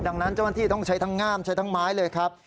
ดังนั้นเจ้าหน้าที่ต้องใช้ทั้งง่ามใช้ทั้งไม้เลยครับ